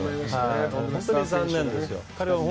本当に残念です。